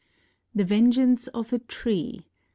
THE VENGEANCE OF A TREE.